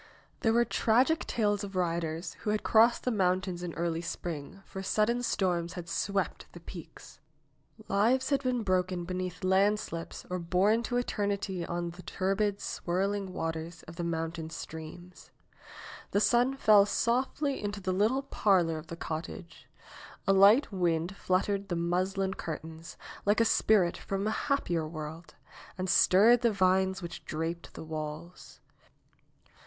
There were tragic tales of riders who had crossed the mountains in early spring, for sudden storms had swept the peaks. Lives had been 64 NAOMI'S WEDDING BELLS broken beneath landslips or borne to eternity on tlie turbid, swirling waters of the mountain streams. The sun fell softly into the little parlor of the cottage. A light wind fluttered the muslin curtains, like a spirit from a happier world, and stirred the vines which draped the walls.